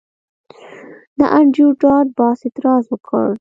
نه انډریو ډاټ باس اعتراض وکړ